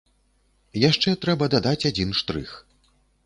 Яшчэ трэба дадаць адзін штрых.